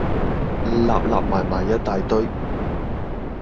擸擸埋埋一大堆